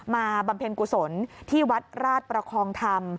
บำเพ็ญกุศลที่วัดราชประคองธรรม